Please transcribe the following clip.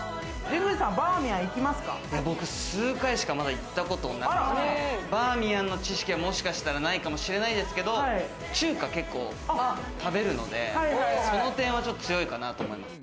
僕、まだ数回しか行ったことなくて、バーミヤンの知識は、もしかしたら、ないかもしれないですけど、中華、結構食べるので、その点はちょっと強いかなと思います。